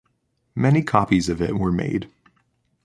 Many copies of it were made.